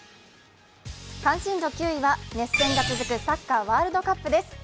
関心度９位は熱戦が続くサッカーワールドカップです。